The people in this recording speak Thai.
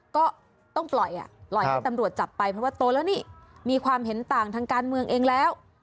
ก็ต้องปล่อยอ่ะปล่อยให้ตำรวจจับไปเพราะว่าโตแล้วนี่มีความเห็นต่างทางการเมืองเองแล้ว